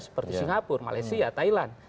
seperti singapura malaysia thailand